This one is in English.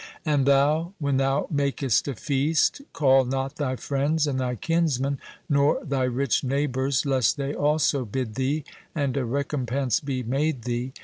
"And thou, when thou makest a feast, call not thy friends and thy kinsmen, nor thy rich neighbors, lest they also bid thee, and a recompense be made thee.